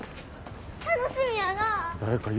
楽しみやなあ。